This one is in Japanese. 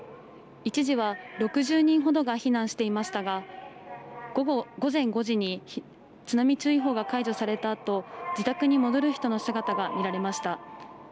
一時は６０人ほどが避難していましたが午前５時に津波注意報が解除されたあと、自宅に戻る人の姿が見られました。